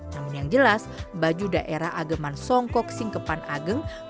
namun yang jelas baju daerah ageman songkok singkepan ageng